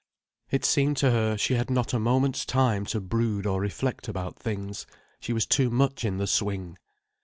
It seemed to her she had not a moment's time to brood or reflect about things—she was too much in the swing.